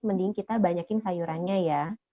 mending kita banyakin sayurannya ya